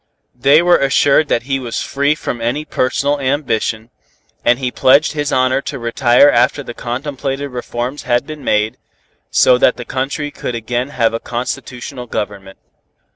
They were assured that he was free from any personal ambition, and he pledged his honor to retire after the contemplated reforms had been made, so that the country could again have a constitutional government.